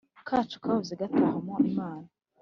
kacu kahoze gatahamo Imana.